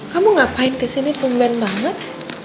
kamu ngapain kesini pemben banget